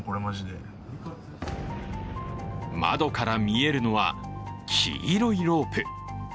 窓から見えるのは黄色いロープ。